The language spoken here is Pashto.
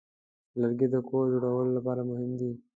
لرګی د کور جوړولو لپاره مهم دی.